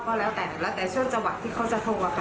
ก็แล้วแต่ช่วงจังหวัดที่เขาจะโทรค่ะ